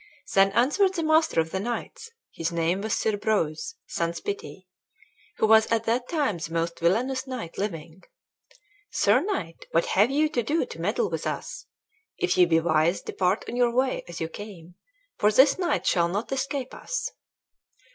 Then answered the master of the knights (his name was Sir Breuse sans Pitie, who was at that time the most villanous knight living): "Sir knight, what have ye to do to meddle with us? If ye be wise depart on your way as you came, for this knight shall not escape us."